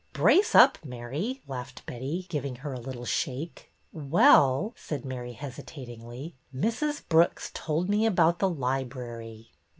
" Brace up, Mary," laughed Betty, giving her a little shake. Well," said Mary, hesitatingly, Mrs. Brooks told me about the library."